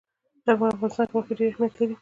په افغانستان کې غوښې ډېر اهمیت لري.